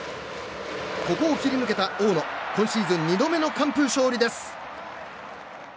ここを切り抜けた大野今シーズン２度目の完封勝利です。